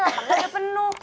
otak lo udah penuh